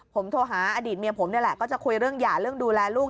ผมโทรหาอดีตเมียผมนี่แหละก็จะคุยเรื่องหย่าเรื่องดูแลลูก